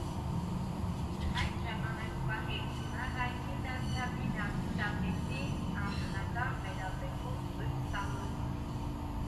Այդ ժամանակվանից նա հայտնի դարձավ իր հանդիսատեսին անձնական վերաբերմունք ցույց տալով։